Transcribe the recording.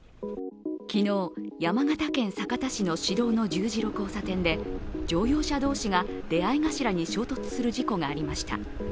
昨日、山形県酒田市の市道の十字路交差点で、乗用車同士が出会い頭に衝突する事故がありました。